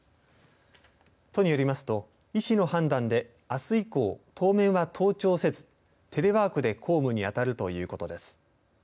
都によりますと医師の判断であす以降当面は登庁せずテレワークで公務にあたるということです。